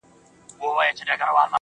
د سنبلو نجونه څه خو سرپېزنې